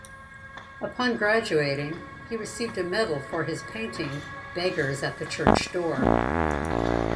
Upon graduating, he received a medal for his painting "Beggars at the Church Door".